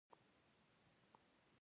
زه له تاسو څخه مننه کوم.